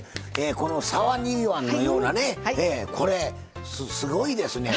この沢煮椀のようなねこれすごいですね。